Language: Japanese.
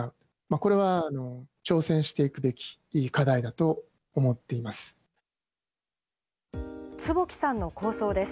これは挑戦していくべき課題だと思っています。